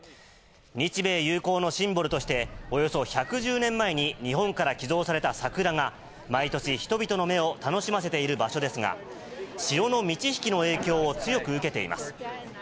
日米友好のシンボルとして、およそ１１０年前に日本から寄贈された桜が、毎年、人々の目を楽しませている場所ですが、潮の満ち引きの影響を強く受けています。